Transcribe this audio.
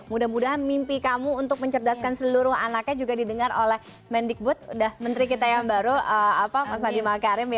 mudah mudahan mimpi kamu untuk mencerdaskan seluruh anaknya juga didengar oleh mendikbud udah menteri kita yang baru mas adi makarim ya